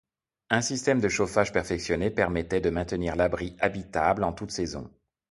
Un système de chauffage perfectionné permettait de maintenir l'abri habitable en toutes saisons.